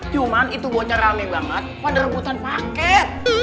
cuman itu bocah rame banget pada rebutan paket